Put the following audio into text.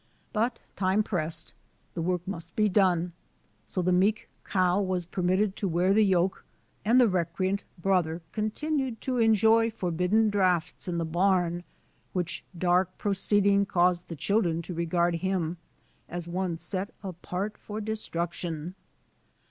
But |inj& pressed, the work must be done; so the meek cow was permitted to wear the yoke and the recreant brother continued to enjoy forbidden draughts in the bam, which dark proceeding caused the children to regard him as one set apart for destruction.